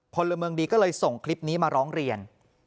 พลเมืองดีก็เลยส่งคลิปนี้มาร้องเรียน